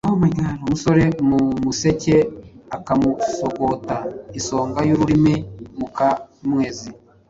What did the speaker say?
umusore mu museke akamusogota isonga y’ururimi muka Mwezi!”